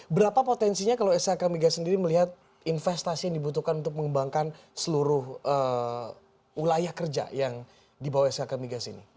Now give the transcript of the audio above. berapa potensinya kalau skk migas sendiri melihat investasi yang dibutuhkan untuk mengembangkan seluruh wilayah kerja yang dibawa skk migas ini